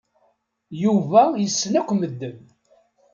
Yuba yessen akk medden.